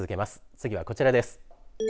次はこちらです。